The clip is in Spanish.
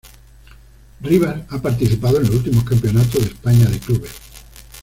Rivas ha participado en los últimos Campeonatos de España de clubes.